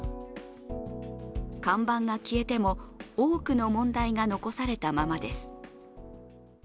看板が消えても多くの問題が残されたままです。